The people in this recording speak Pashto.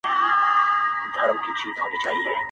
o ته مي بزې وهه، زه به دي روژې وهم!